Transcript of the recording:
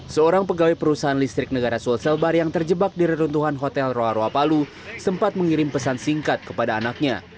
seorang pegawai perusahaan listrik negara sulselbar yang terjebak di reruntuhan hotel roa roa palu sempat mengirim pesan singkat kepada anaknya